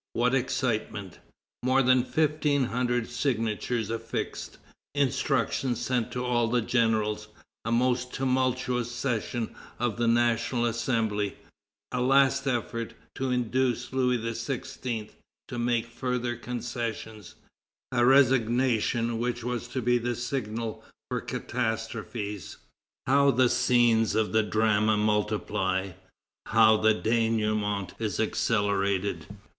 what excitement! More than fifteen hundred signatures affixed, instructions sent to all the generals, a most tumultuous session of the National Assembly, a last effort to induce Louis XVI. to make further concessions, a resignation which was to be the signal for catastrophes. How the scenes of the drama multiply! How the dénouement is accelerated!